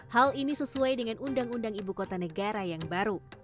hal ini sesuai dengan undang undang ibu kota negara yang baru